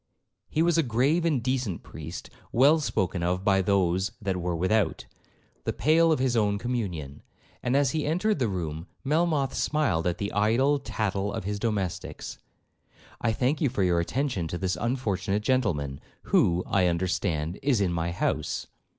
He was a grave and decent priest, well 'spoken of by those that were without' the pale of his own communion; and as he entered the room, Melmoth smiled at the idle tattle of his domestics. 'I thank you for your attention to this unfortunate gentleman, who, I understand, is in my house.'